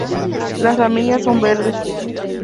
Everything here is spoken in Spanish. Las ramillas son verdes.